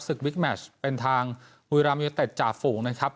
วิกแมชเป็นทางบุรีรามยูเต็ดจ่าฝูงนะครับ